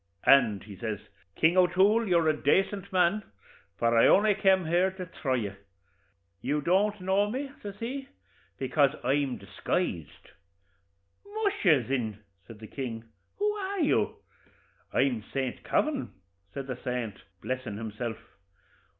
'And,' says he, 'King O'Toole, you're a decent man, for I only kem here to thry you. You don't know me," says he, "bekase I'm disguised.' 'Musha! thin,' says the king, 'who are you?' 'I'm Saint Kavin,' said the saint, blessin' himself.